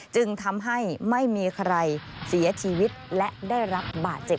จึงทำให้ไม่มีใครเสียชีวิตและได้รับบาดเจ็บ